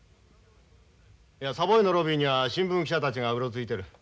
いやサボイのロビーには新聞記者たちがうろついてる。